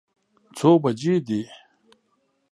څو بجې دي؟